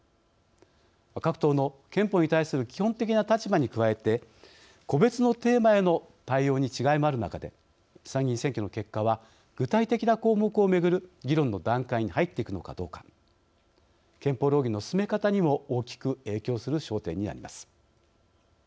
各党の憲法に対する基本的な立場に加えて個別のテーマへの対応に違いもある中で参議院選挙の結果は具体的な項目を巡る議論の段階に入っていくのかどうか憲法論議の進め方にも大きく影響する焦点になります。